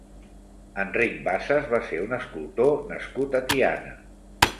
Enric Bassas va ser un escultor nascut a Tiana.